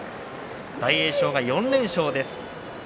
大栄翔が４連勝です。